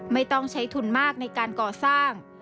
ไม่ต้องใช้ทุนมากในการก่อสร้าง